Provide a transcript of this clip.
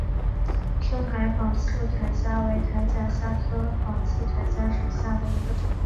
深海仿刺铠虾为铠甲虾科仿刺铠虾属下的一个种。